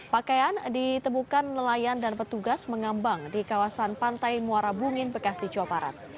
pakaian ditemukan nelayan dan petugas mengambang di kawasan pantai muara bungin bekasi jawa barat